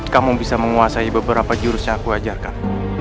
kamu bisa menguasai beberapa jurus yang aku ajarkan